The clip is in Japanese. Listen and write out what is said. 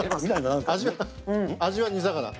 味は煮魚。